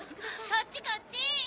・こっちこっち！